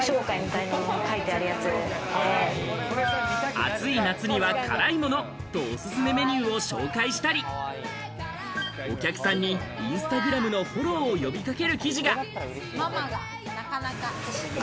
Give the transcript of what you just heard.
暑い夏には辛いものと、おすすめメニューを紹介したり、お客さんにインスタグラムのフォローを呼び掛ける記事が。